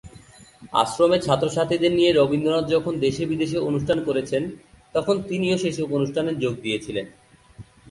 আশ্রমের ছাত্র ছাত্রীদের নিয়ে রবীন্দ্রনাথ যখন দেশে বিদেশে অনুষ্ঠান করছেন তখন তিনিও সেইসব অনুষ্ঠানে যোগ দিয়েছিলেন।